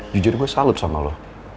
jujur gue salut sama lo